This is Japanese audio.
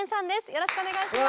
よろしくお願いします。